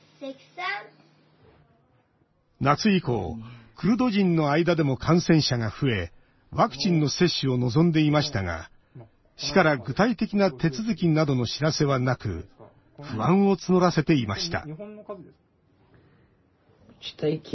夏以降、クルド人の間でも感染者が増えワクチンの接種を望んでいましたが市から具体的な手続きなどの知らせはなく不安を募らせていました